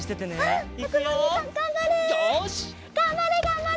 がんばれがんばれ！